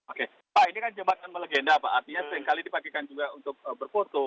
oke pak ini kan jembatan melegenda pak artinya seringkali dipakaikan juga untuk berfoto